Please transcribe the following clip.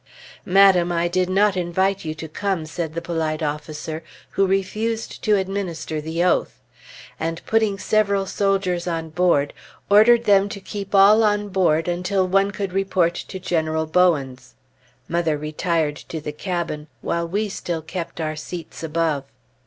"Madam, I did not invite you to come," said the polite officer, who refused to administer the oath; and putting several soldiers on board, ordered them to keep all on board until one could report to General Bowens. Mother retired to the cabin, while we still kept our seats above.